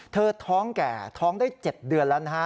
ท้องแก่ท้องได้๗เดือนแล้วนะฮะ